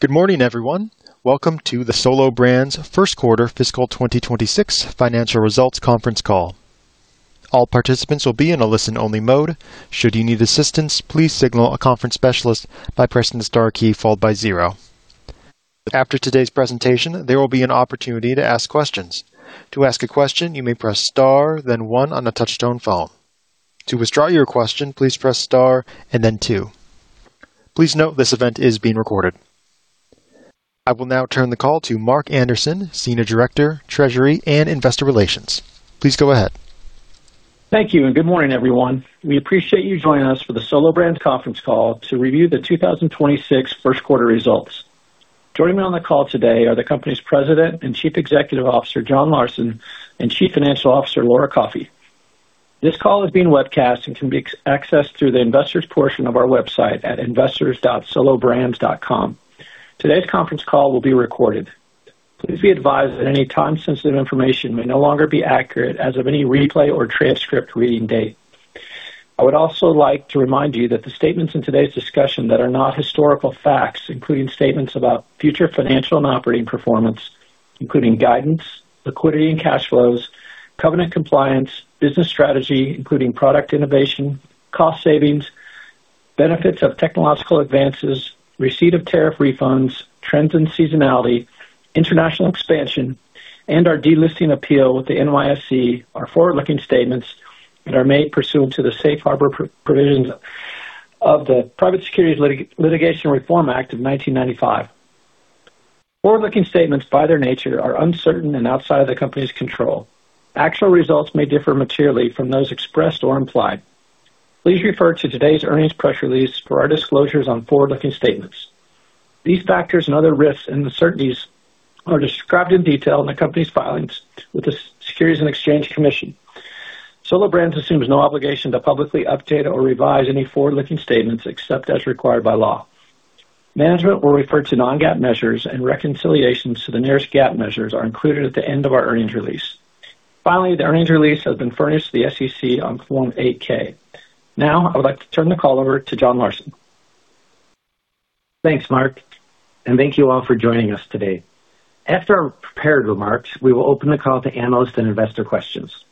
Good morning, everyone. Welcome to the Solo Brands First Quarter Fiscal 2026 Financial Results Conference call. All participants will be in a listen-only mode. Should you need assistance, please signal a conference specialist by pressing the star key followed by zero. After today's presentation, there will be an opportunity to ask questions. To ask a question, you may press star then one on the touch-tone phone. To withdraw your question, please press star and then two. Please note this event is being recorded. I will now turn the call to Mark Anderson, Senior Director, Treasury and Investor Relations. Please go ahead. Thank you, and good morning, everyone. We appreciate you joining us for the Solo Brands conference call to review the 2026 first quarter results. Joining me on the call today are the company's President and Chief Executive Officer, John Larson, and Chief Financial Officer, Laura Coffey. This call is being webcast and can be accessed through the Investors portion of our website at investors.solobrands.com. Today's conference call will be recorded. Please be advised that any time-sensitive information may no longer be accurate as of any replay or transcript reading date. I would also like to remind you that the statements in today's discussion that are not historical facts, including statements about future financial and operating performance, including guidance, liquidity and cash flows, covenant compliance, business strategy, including product innovation, cost savings, benefits of technological advances, receipt of tariff refunds, trends and seasonality, international expansion, and our delisting appeal with the NYSE are forward-looking statements that are made pursuant to the Safe Harbor provisions of the Private Securities Litigation Reform Act of 1995. Forward-looking statements, by their nature, are uncertain and outside of the company's control. Actual results may differ materially from those expressed or implied. Please refer to today's earnings press release for our disclosures on forward-looking statements. These factors and other risks and uncertainties are described in detail in the company's filings with the Securities and Exchange Commission. Solo Brands assumes no obligation to publicly update or revise any forward-looking statements except as required by law. Management will refer to non-GAAP measures, and reconciliations to the nearest GAAP measures are included at the end of our earnings release. Finally, the earnings release has been furnished to the SEC on Form 8-K. Now, I would like to turn the call over to John Larson. Thanks, Mark, thank you all for joining us today. After our prepared remarks, we will open the call to analyst and investor questions.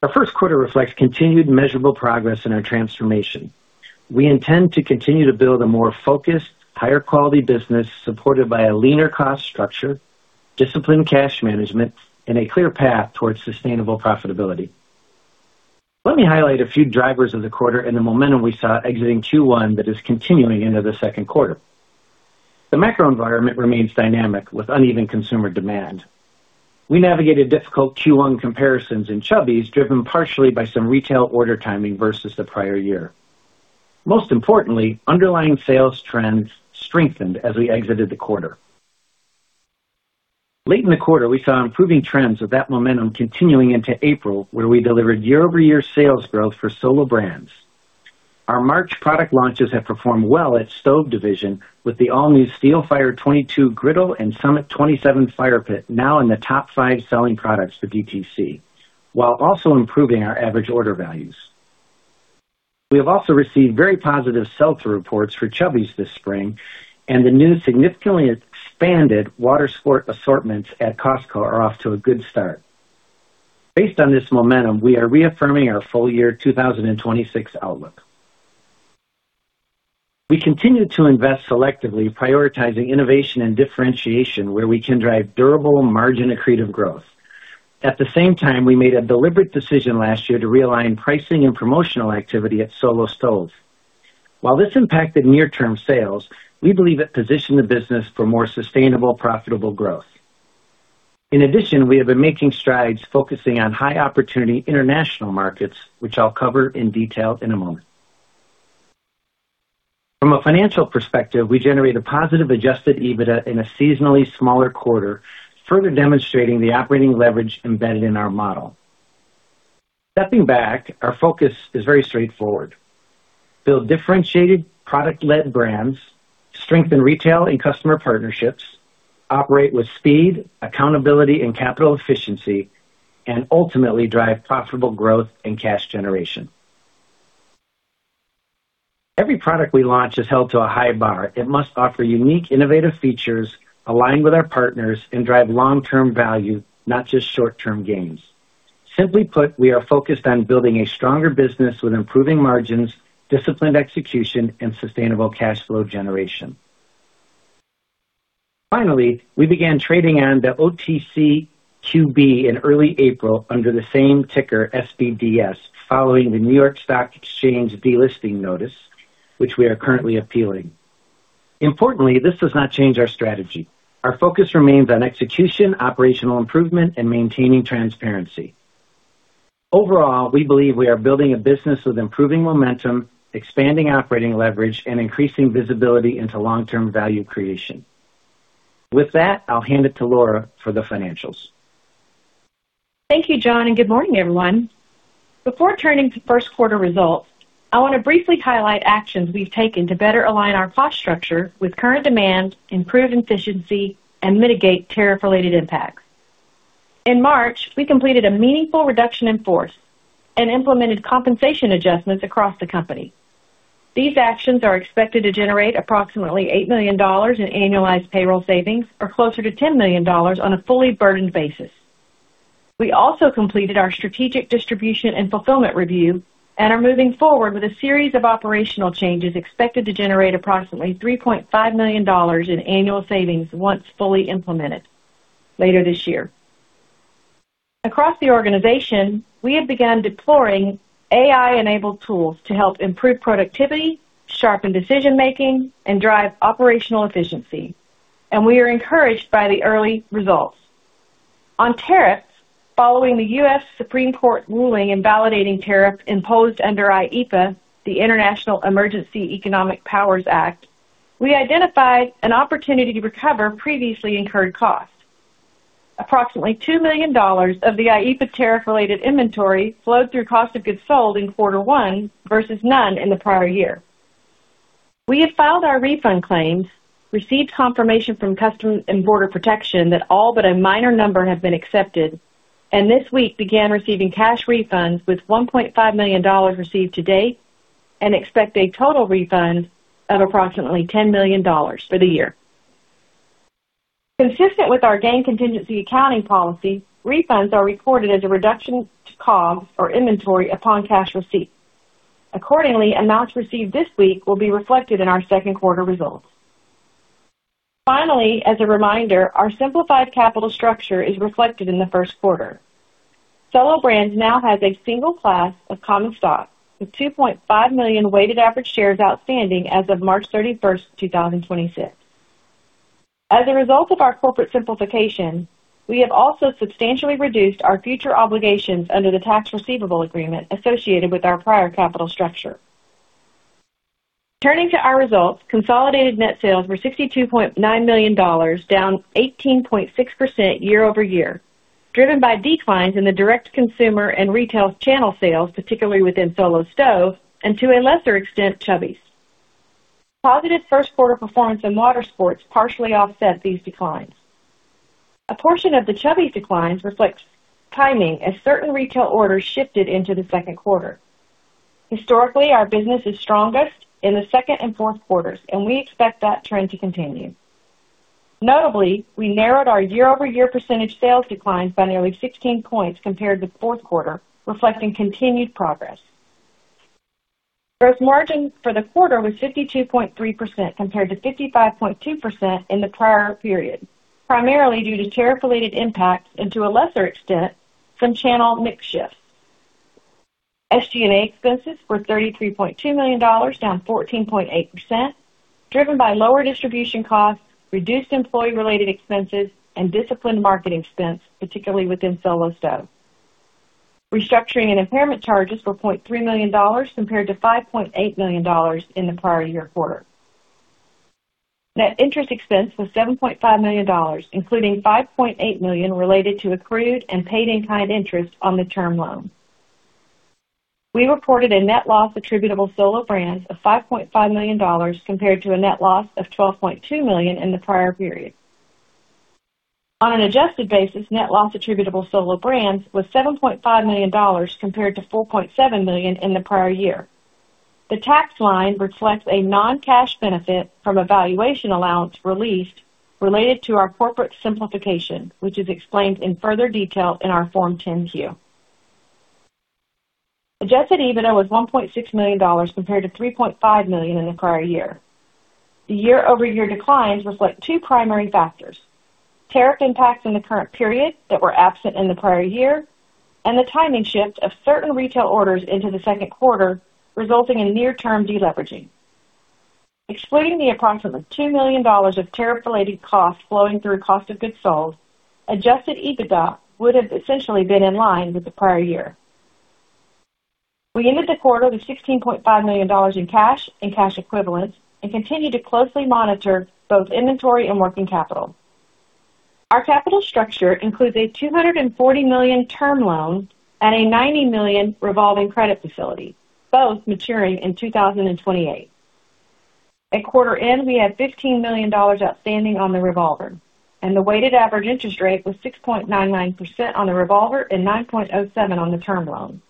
Our first quarter reflects continued measurable progress in our transformation. We intend to continue to build a more focused, higher quality business supported by a leaner cost structure, disciplined cash management, and a clear path towards sustainable profitability. Let me highlight a few drivers of the quarter and the momentum we saw exiting Q1 that is continuing into the second quarter. The macro environment remains dynamic with uneven consumer demand. We navigated difficult Q1 comparisons in Chubbies, driven partially by some retail order timing versus the prior year. Most importantly, underlying sales trends strengthened as we exited the quarter. Late in the quarter, we saw improving trends with that momentum continuing into April, where we delivered year-over-year sales growth for Solo Brands. Our March product launches have performed well at Stove division, with the all-new Steelfire 22" Griddle and Summit 27" Fire Pit now in the top five selling products for DTC, while also improving our average order values. We have also received very positive sell-through reports for Chubbies this spring, and the new significantly expanded Watersports assortments at Costco are off to a good start. Based on this momentum, we are reaffirming our full year 2026 outlook. We continue to invest selectively, prioritizing innovation and differentiation where we can drive durable margin accretive growth. At the same time, we made a deliberate decision last year to realign pricing and promotional activity at Solo Stove. While this impacted near-term sales, we believe it positioned the business for more sustainable, profitable growth. In addition, we have been making strides focusing on high opportunity international markets, which I'll cover in detail in a moment. From a financial perspective, we generated positive adjusted EBITDA in a seasonally smaller quarter, further demonstrating the operating leverage embedded in our model. Stepping back, our focus is very straightforward. Build differentiated product-led brands, strengthen retail and customer partnerships, operate with speed, accountability and capital efficiency, and ultimately drive profitable growth and cash generation. Every product we launch is held to a high bar. It must offer unique, innovative features, align with our partners, and drive long-term value, not just short-term gains. Simply put, we are focused on building a stronger business with improving margins, disciplined execution, and sustainable cash flow generation. Finally, we began trading on the OTCQB in early April under the same ticker, SBDS, following the New York Stock Exchange delisting notice, which we are currently appealing. Importantly, this does not change our strategy. Our focus remains on execution, operational improvement, and maintaining transparency. Overall, we believe we are building a business with improving momentum, expanding operating leverage, and increasing visibility into long-term value creation. With that, I'll hand it to Laura for the financials. Thank you, John. Good morning, everyone. Before turning to first quarter results, I want to briefly highlight actions we've taken to better align our cost structure with current demand, improve efficiency, and mitigate tariff-related impacts. In March, we completed a meaningful reduction in force and implemented compensation adjustments across the company. These actions are expected to generate approximately $8 million in annualized payroll savings, or closer to $10 million on a fully burdened basis. We also completed our strategic distribution and fulfillment review and are moving forward with a series of operational changes expected to generate approximately $3.5 million in annual savings once fully implemented later this year. Across the organization, we have begun deploying AI-enabled tools to help improve productivity, sharpen decision-making, and drive operational efficiency, and we are encouraged by the early results. On tariffs, following the U.S. Supreme Court ruling invalidating tariffs imposed under IEEPA, the International Emergency Economic Powers Act, we identified an opportunity to recover previously incurred costs. Approximately $2 million of the IEEPA tariff-related inventory flowed through cost of goods sold in quarter one versus none in the prior year. We have filed our refund claims, received confirmation from Customs and Border Protection that all but a minor number have been accepted, and this week began receiving cash refunds with $1.5 million received to-date and expect a total refund of approximately $10 million for the year. Consistent with our gain contingency accounting policy, refunds are recorded as a reduction to COGS or inventory upon cash receipt. Accordingly, amounts received this week will be reflected in our second quarter results. Finally, as a reminder, our simplified capital structure is reflected in the first quarter. Solo Brands now has a single class of common stock with 2.5 million weighted average shares outstanding as of March 31st, 2026. As a result of our corporate simplification, we have also substantially reduced our future obligations under the Tax Receivable Agreement associated with our prior capital structure. Turning to our results, consolidated net sales were $62.9 million, down 18.6% year-over-year, driven by declines in the direct consumer and retail channel sales, particularly within Solo Stove and to a lesser extent, Chubbies. Positive first quarter performance in Watersports partially offset these declines. A portion of the Chubbies declines reflects timing as certain retail orders shifted into the second quarter. Historically, our business is strongest in the second and fourth quarters, and we expect that trend to continue. Notably, we narrowed our year-over-year percentage sales declines by nearly 16 points compared to fourth quarter, reflecting continued progress. Gross margin for the quarter was 52.3% compared to 55.2% in the prior period, primarily due to tariff-related impacts and to a lesser extent, some channel mix shifts. SG&A expenses were $33.2 million, down 14.8%, driven by lower distribution costs, reduced employee-related expenses and disciplined marketing spends, particularly within Solo Stove. Restructuring and impairment charges were $0.3 million compared to $5.8 million in the prior year quarter. Net interest expense was $7.5 million, including $5.8 million related to accrued and paid in kind interest on the Term Loan. We reported a net loss attributable Solo Brands of $5.5 million compared to a net loss of $12.2 million in the prior period. On an adjusted basis, net loss attributable Solo Brands was $7.5 million compared to $4.7 million in the prior year. The tax line reflects a non-cash benefit from a valuation allowance released related to our corporate simplification, which is explained in further detail in our Form 10-Q. Adjusted EBITDA was $1.6 million compared to $3.5 million in the prior year. The year-over-year declines reflect two primary factors: tariff impacts in the current period that were absent in the prior year, and the timing shift of certain retail orders into the second quarter, resulting in near-term deleveraging. Excluding the approximately $2 million of tariff-related costs flowing through cost of goods sold, adjusted EBITDA would have essentially been in line with the prior year. We ended the quarter with $16.5 million in cash and cash equivalents and continue to closely monitor both inventory and working capital. Our capital structure includes a $240 million Term Loan at a $90 million revolving credit facility, both maturing in 2028. At quarter end, we had $15 million outstanding on the revolver and the weighted average interest rate was 6.99% on the revolver and 9.07% on the Term Loan.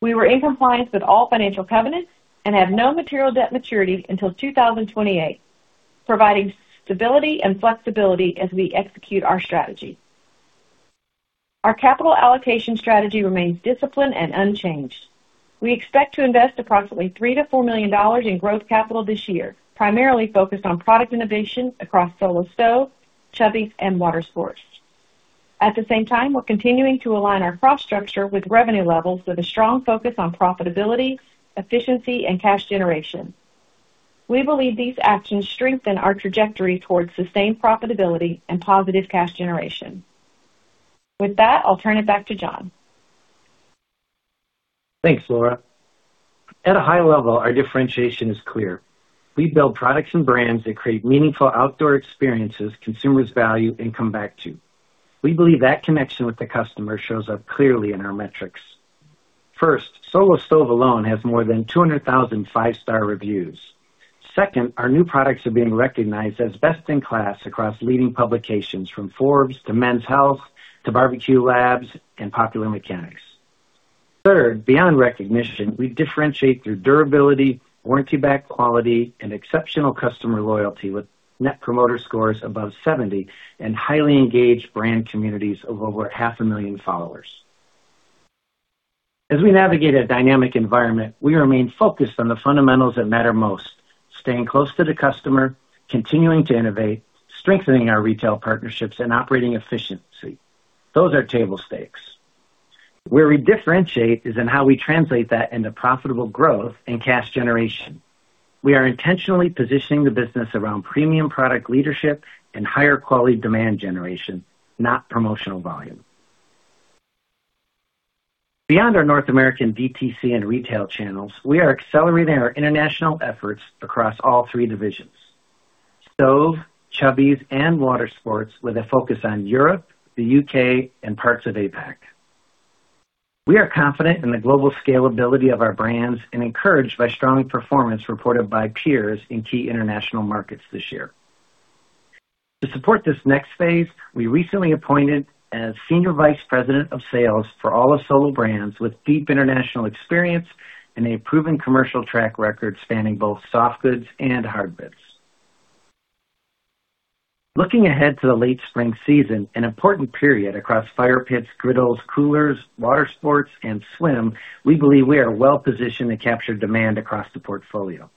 We were in compliance with all financial covenants and have no material debt maturities until 2028, providing stability and flexibility as we execute our strategy. Our capital allocation strategy remains disciplined and unchanged. We expect to invest approximately $3 million-$4 million in growth capital this year, primarily focused on product innovation across Solo Stove, Chubbies and Watersports. At the same time, we're continuing to align our cost structure with revenue levels with a strong focus on profitability, efficiency, and cash generation. We believe these actions strengthen our trajectory towards sustained profitability and positive cash generation. With that, I'll turn it back to John. Thanks, Laura. At a high level, our differentiation is clear. We build products and brands that create meaningful outdoor experiences consumers value and come back to. We believe that connection with the customer shows up clearly in our metrics. First, Solo Stove alone has more than 200,000 five-star reviews. Second, our new products are being recognized as best in class across leading publications, from Forbes to Men's Health to The Barbecue Lab and Popular Mechanics. Third, beyond recognition, we differentiate through durability, warranty-backed quality, and exceptional customer loyalty, with Net Promoter Scores above 70 and highly engaged brand communities of over 500,000 followers. As we navigate a dynamic environment, we remain focused on the fundamentals that matter most: staying close to the customer, continuing to innovate, strengthening our retail partnerships, and operating efficiency. Those are table stakes. Where we differentiate is in how we translate that into profitable growth and cash generation. We are intentionally positioning the business around premium product leadership and higher quality demand generation, not promotional volume. Beyond our North American DTC and retail channels, we are accelerating our international efforts across all three divisions, Stove, Chubbies and Watersports, with a focus on Europe, the U.K., and parts of APAC. We are confident in the global scalability of our brands and encouraged by strong performance reported by peers in key international markets this year. To support this next phase, we recently appointed a Senior Vice President of sales for all of Solo Brands with deep international experience and a proven commercial track record spanning both soft goods and hard goods. Looking ahead to the late spring season, an important period across fire pits, griddles, coolers, watersports, and swim, we believe we are well-positioned to capture demand across the portfolio.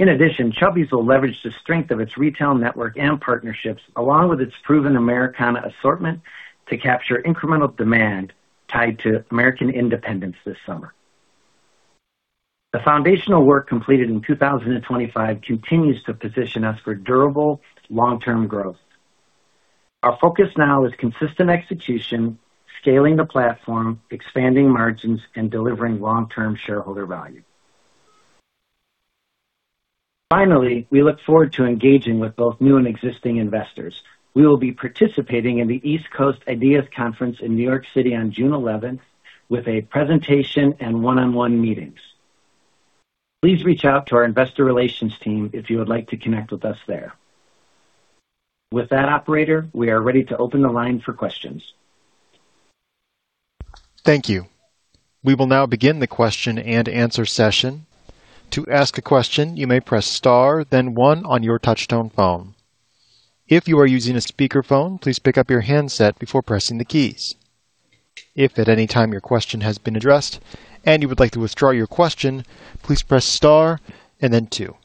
In addition, Chubbies will leverage the strength of its retail network and partnerships, along with its proven Americana assortment, to capture incremental demand tied to American independence this summer. The foundational work completed in 2025 continues to position us for durable, long-term growth. Our focus now is consistent execution, scaling the platform, expanding margins, and delivering long-term shareholder value. Finally, we look forward to engaging with both new and existing investors. We will be participating in the East Coast IDEAS Conference in New York City on June 11 with a presentation and one-on-one meetings. Please reach out to our Investor Relations team if you would like to connect with us there. With that, operator, we are ready to open the line for questions. Thank you. We will now begin the question-and-answer session. To ask a question, you may press star then one on your touch-tone phone. If you are using a speakerphone, please pick up your handset before pressing the keys. If at any time your question has been addressed and you would like to withdraw your question, please press star and then two.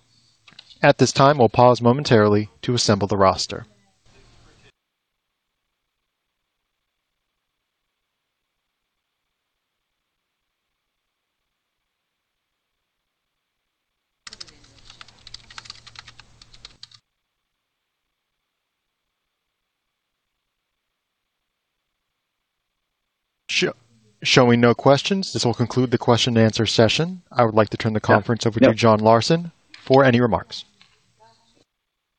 At this time, we'll pause momentarily to assemble the roster. Showing no questions, this will conclude the question-and-answer session. I would like to turn the conference over to John Larson for any remarks.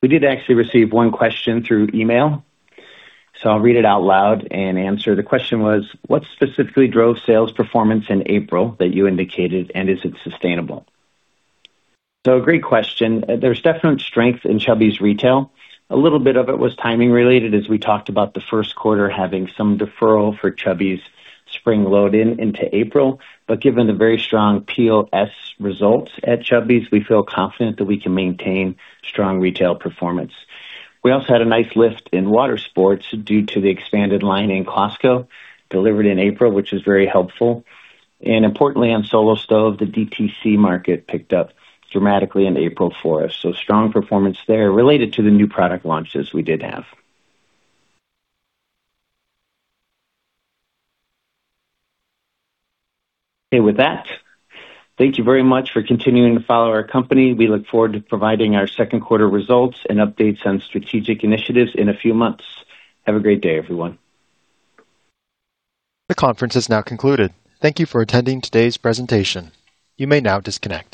We did actually receive one question through email, so I'll read it out loud and answer. The question was, What specifically drove sales performance in April that you indicated, and is it sustainable?" A great question. There's definite strength in Chubbies retail. A little bit of it was timing related as we talked about the first quarter having some deferral for Chubbies spring load-in into April. Given the very strong POS results at Chubbies, we feel confident that we can maintain strong retail performance. We also had a nice lift in Watersports due to the expanded line in Costco delivered in April, which is very helpful. Importantly, on Solo Stove, the DTC market picked up dramatically in April for us, so strong performance there related to the new product launches we did have. Okay. With that, thank you very much for continuing to follow our company. We look forward to providing our second quarter results and updates on strategic initiatives in a few months. Have a great day, everyone. The conference has now concluded. Thank you for attending today's presentation. You may now disconnect.